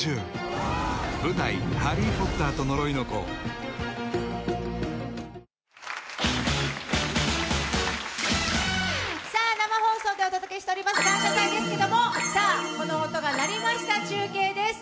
ぷっ事実「特茶」生放送でお届けしております「感謝祭」ですけれども、この音が鳴りました、中継です。